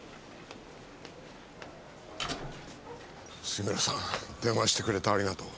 杉浦さん電話してくれてありがとう。